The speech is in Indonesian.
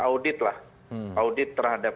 audit lah audit terhadap